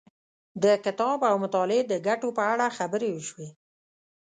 د کتاب او مطالعې د ګټو په اړه خبرې وشوې.